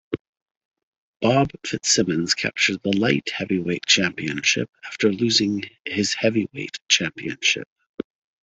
Bob Fitzsimmons captured the light-heavyweight championship after losing his heavyweight championship.